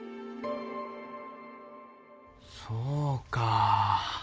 そうか。